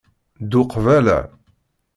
Ddu qbala